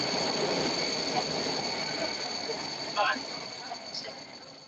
haki za binadamu hazikuzingatiwa kabisa katika maisha ya binadamu